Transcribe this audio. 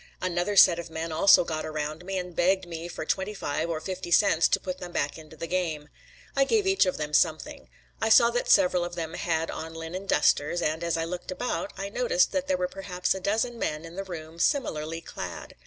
Another set of men also got around me and begged me for twenty five or fifty cents to put them back into the game. I gave each of them something. I saw that several of them had on linen dusters, and as I looked about, I noticed that there were perhaps a dozen men in the room similarly clad.